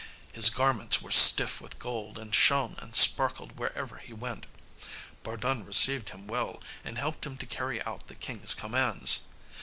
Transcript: His garments were stiff with gold, and shone and sparkled wherever he went. Bardun received him well, and helped him to carry out the king's commands.